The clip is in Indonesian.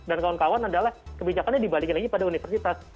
dan kawan kawan adalah kebijakannya dibalikin lagi pada universitas